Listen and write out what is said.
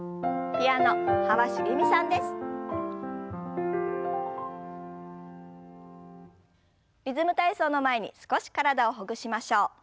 「リズム体操」の前に少し体をほぐしましょう。